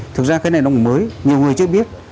thực ra cái này nó cũng mới nhiều người chưa biết